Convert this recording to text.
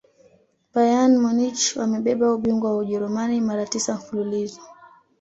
bayern munich wamebeba ubingwa wa ujerumani mara tisa mfululizo